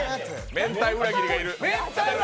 めんたい裏切りがいる。